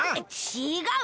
ちがう！